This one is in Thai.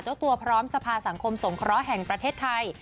เจ้าตัวพร้อมสภาสังคมสงเคราะห์แห่งประเทศไทย